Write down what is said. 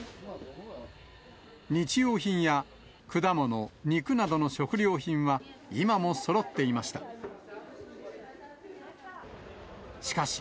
日用品や果物、肉などの食料品は今もそろっていました。